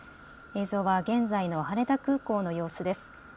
映像は現在の羽田空港の様子です。